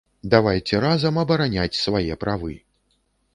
Давайце разам абараняць свае правы.